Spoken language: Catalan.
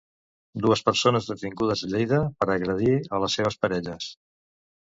Dues persones detingudes a Lleida per agredir a les seves parelles.